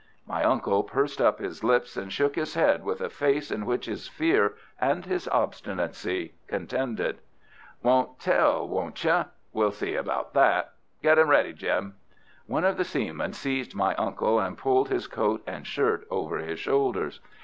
My uncle pursed up his lips and shook his head, with a face in which his fear and his obstinacy contended. "Won't tell, won't you? We'll see about that! Get him ready, Jim!" One of the seamen seized my uncle, and pulled his coat and shirt over his shoulders.